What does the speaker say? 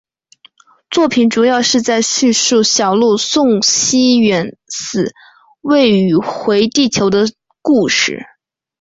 作品主要是在叙述小路送西远寺未宇回地球的故事。